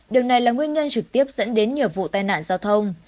điều này là nguyên nhân trực tiếp dẫn đến nhiều vụ tai nạn giao thông